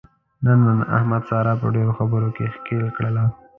نن احمد ساره په ډېرو خبرو کې ښکېل کړله.